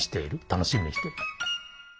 楽しみにしている。